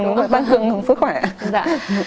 đúng rồi tăng cường sức khỏe ạ